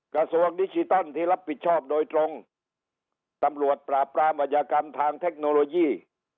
กระทรวงดิจิตอลที่รับผิดชอบโดยตรงตำรวจปราบปรามอัยกรรมทางเทคโนโลยี